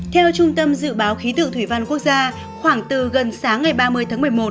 theo trung tâm dự báo khí tượng thủy văn quốc gia khoảng từ gần sáng ngày ba mươi tháng một mươi một